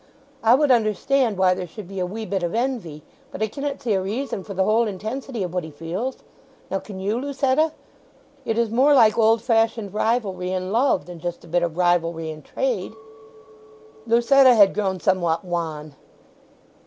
I would understand why there should be a wee bit of envy; but I cannet see a reason for the whole intensity of what he feels. Now, can you, Lucetta? It is more like old fashioned rivalry in love than just a bit of rivalry in trade." Lucetta had grown somewhat wan.